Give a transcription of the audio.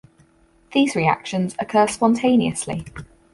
These reactions occur spontaneously.